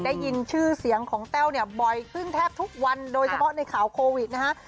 ได้ยินชื่อเสียงของแต้วเนี่ยบ่อยขึ้นแทบทุกวันโดยเฉพาะในข่าวโควิดนะฮะ